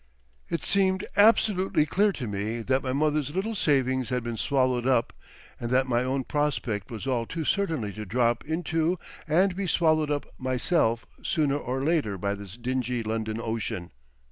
It seemed absolutely clear to me that my mother's little savings had been swallowed up and that my own prospect was all too certainly to drop into and be swallowed up myself sooner or later by this dingy London ocean.